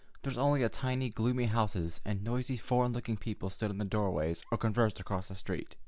There were only tiny, gloomy houses, and noisy, foreign looking people stood in the doorways or conversed across the street.